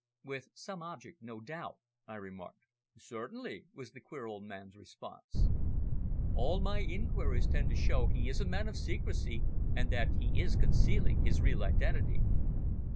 "With some object, no doubt," I remarked. "Certainly," was the queer old man's response. "All my inquiries tend to show he is a man of secrecy and that he is concealing his real identity."